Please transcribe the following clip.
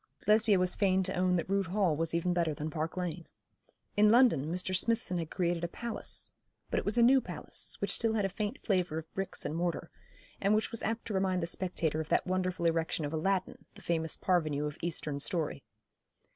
Lesbia was fain to own that Rood Hall was even better than Park Lane. In London Mr. Smithson had created a palace; but it was a new palace, which still had a faint flavour of bricks and mortar, and which was apt to remind the spectator of that wonderful erection of Aladdin, the famous Parvenu of Eastern story.